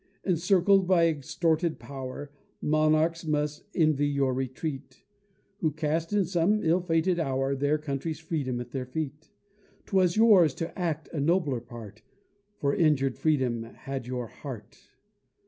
Encircled by extorted power, Monarchs must envy your Retreat Who cast, in some ill fated hour, Their country's freedom at their feet; 'Twas yours to act a nobler part, For injur'd Freedom had your heart.